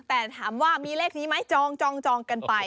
แต่ถามว่ามีเลขนี้ไหมจองกันไป